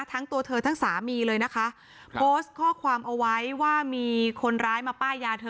ทั้งตัวเธอทั้งสามีเลยนะคะโพสต์ข้อความเอาไว้ว่ามีคนร้ายมาป้ายยาเธอ